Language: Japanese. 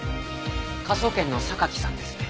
科捜研の榊さんですね？